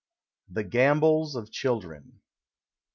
THE GAMBOLS OF CHILDREN.